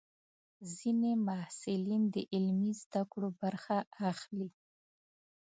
ځینې محصلین د عملي زده کړو برخه اخلي.